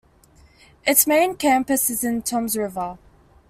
Its main campus is in Toms River.